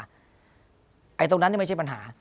ไอ้ตรงนั้นไม่ใช่ปัญหา